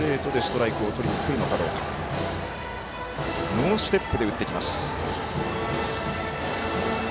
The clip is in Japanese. ノーステップで打ってきます。